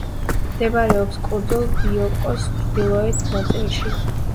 მდებარეობს კუნძულ ბიოკოს ჩრდილოეთ ნაწილში.